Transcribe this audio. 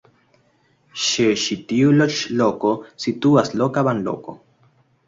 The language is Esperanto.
Ĉe ĉi tiu loĝloko situas loka banloko.